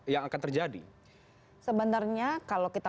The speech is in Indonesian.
yang akan terjadi sebenarnya kalau kita